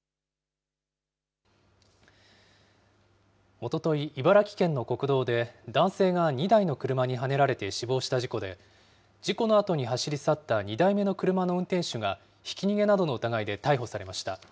おととい、茨城県の国道で男性が２台の車にはねられて死亡した事故で、事故のあとに走り去った２台目の車の運転手が、ひき逃げなどの疑いで逮捕されました。